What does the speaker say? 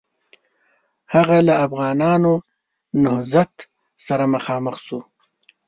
هغه له افغانانو نهضت سره مخامخ شو.